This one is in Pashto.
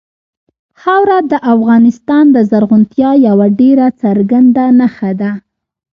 خاوره د افغانستان د زرغونتیا یوه ډېره څرګنده نښه ده.